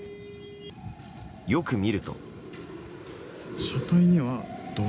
よく見ると。